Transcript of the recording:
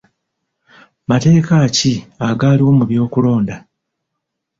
Mateeka ki agaaliwo mu by'okulonda?